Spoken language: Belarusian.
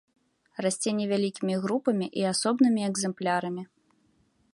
Расце невялікімі групамі і асобнымі экземплярамі.